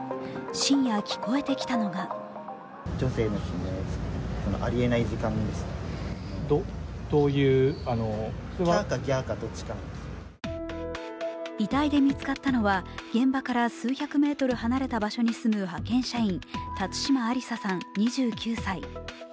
深夜聞こえてきたのが遺体で見つかったのは現場から数百メートル離れた場所に住む派遣社員・辰島ありささん２９歳。